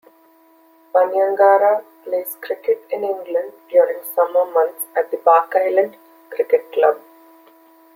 Panyangara plays cricket in England during the summer months at Barkisland Cricket Club.